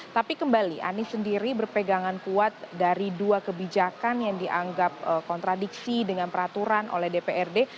tapi kembali anies sendiri berpegangan kuat dari dua kebijakan yang dianggap kontradiksi dengan peraturan oleh dprd